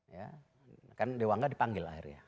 ya kan dewangga dipanggil akhirnya